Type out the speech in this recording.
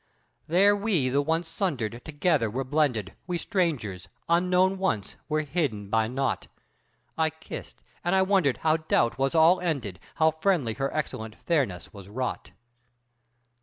There we the once sundered together were blended, We strangers, unknown once, were hidden by naught. I kissed and I wondered how doubt was all ended, How friendly her excellent fairness was wrought.